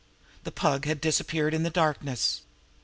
The Pug had disappeared in the darkness.